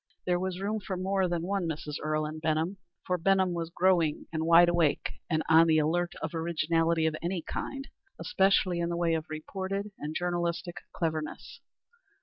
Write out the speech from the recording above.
There was room for more than one Mrs. Earle in Benham, for Benham was growing and wide awake and on the alert for originality of any kind especially in the way of reportorial and journalistic cleverness.